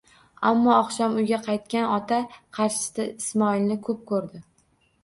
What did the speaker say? Ammo oqshom uyga qaytgan ota qarshisida Ismoilni ko'p ko'rdi.